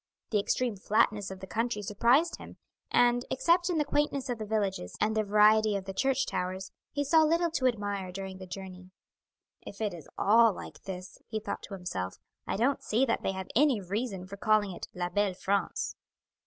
The extreme flatness of the country surprised him, and, except in the quaintness of the villages and the variety of the church towers, he saw little to admire during the journey. "If it is all like this," he thought to himself, "I don't see that they have any reason for calling it La belle France."